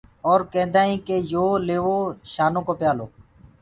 اور ڪيندآ هينٚ ڪي يو ليوو شانو ڪو پيآلو۔